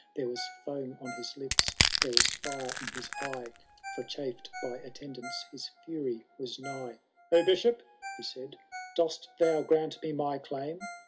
There was foam on his lips, there was fire in his eye. For, chafed by attendance, his fiuy was nigh. ^Ho! Bishop, he said, dost thou grant me my chum?